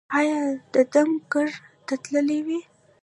ایا د دم ګر ته تللي وئ؟